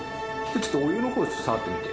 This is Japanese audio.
ちょっとお湯の方触ってみて。